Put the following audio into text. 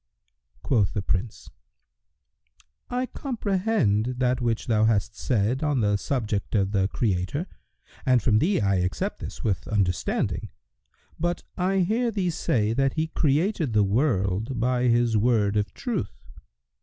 Quoth the Prince, "I comprehend that which thou hast said on the subject of the Creator and from thee I accept this with understanding; but I hear thee say that He created the world by His Word of Truth.